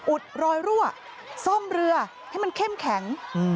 อุดรอยรั่วซ่อมเรือให้มันเข้มแข็ง